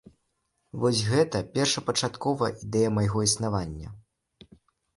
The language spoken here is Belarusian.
Вось гэта першапачатковая ідэя майго існавання.